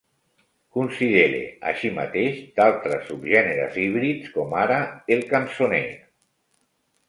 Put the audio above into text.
Considere així mateix d'altres subgèneres híbrids com ara el cançoner.